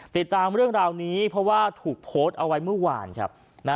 ติดตามเรื่องราวนี้เพราะว่าถูกโพสต์เอาไว้เมื่อวานครับ